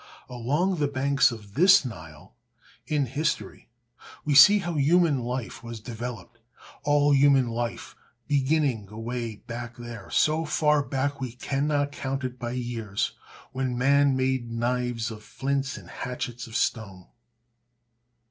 Along the banks of this Nile, in history, we see how human life was developed; all human life beginning away back there, so far back we cannot count it by years; when man made knives of flints and hatchets of stone.